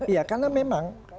ya karena memang